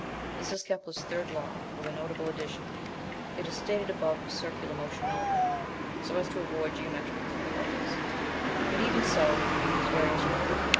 This is Kepler's third law, with a notable addition. It is stated above for circular motion only, so as to avoid geometrical difficulties, but even so it is very instructive.